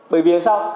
bởi vì sao